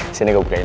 disini gue bukain